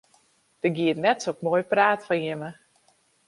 Der giet net sok moai praat fan jimme.